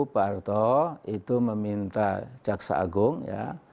pak harto itu meminta jaksa agung ya